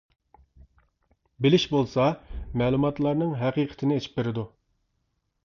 «بىلىش» بولسا مەلۇماتلارنىڭ ھەقىقىتىنى ئېچىپ بېرىدۇ.